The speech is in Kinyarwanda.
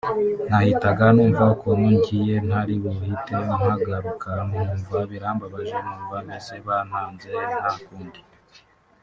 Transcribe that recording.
nahitaga numva ukuntu ngiye ntaribuhite mpagaruka nkumva birambabaje numva mbese bantanze nta kundi